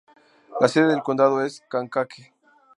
La sede del condado es Kankakee.